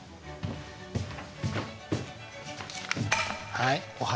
はい。